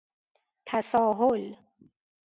تساهل